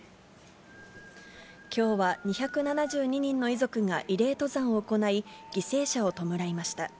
きょうは２７２人の遺族が慰霊登山を行い、犠牲者を弔いました。